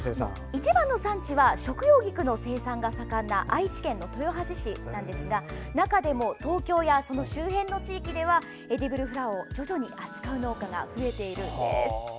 一番の産地は食用菊の生産が盛んな愛知県の豊橋市なんですが中でも東京やその周辺の地域ではエディブルフラワーを徐々に扱う農家が増えているんです。